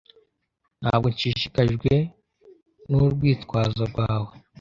Ntabwo nshishikajwe nurwitwazo rwawe.